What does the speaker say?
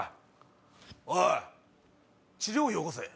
おい治療費よこせ。